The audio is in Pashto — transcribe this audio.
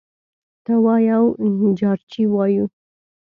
ته وا یو جارچي وايي: